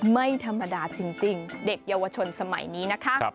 ไม่ธรรมดาจริงเด็กเยาวชนสมัยนี้นะคะ